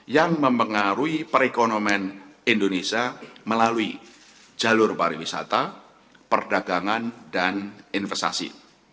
yang mempengaruhi perekonomian indonesia melalui jalur pariwisata perdagangan dan investasi